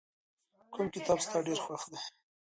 کوم کتاب ستا ډېر خوښ دی؟